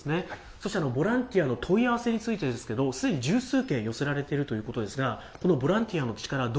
そしてボランティアの問い合わせについてですけれども、すでに十数件寄せられているということですが、このボランティアの力、